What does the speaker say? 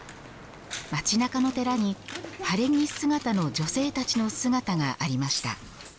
街なかの寺に、晴れ着姿の女性たちの姿がありました。